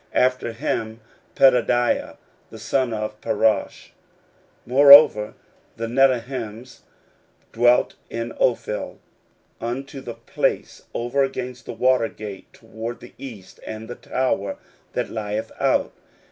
After him Pedaiah the son of Parosh. 16:003:026 Moreover the Nethinims dwelt in Ophel, unto the place over against the water gate toward the east, and the tower that lieth out.